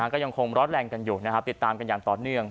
ก็ยังคงร้อนแรงกันอยู่นะครับติดตามกันอย่างต่อเนื่อง